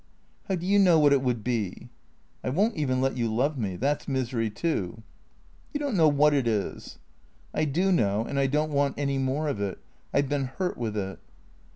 " How do you know what it would be ?"" I won't even let you love me. That 's misery too." " You don't know what it is." " I do know, and I don't want any more of it. I 've been hurt with it."